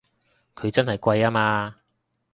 佢真係貴吖嘛！